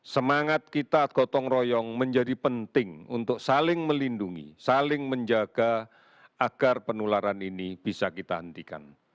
semangat kita gotong royong menjadi penting untuk saling melindungi saling menjaga agar penularan ini bisa kita hentikan